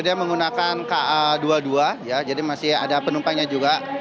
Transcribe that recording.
raja swedia menggunakan ka dua puluh dua ya jadi masih ada penumpangnya juga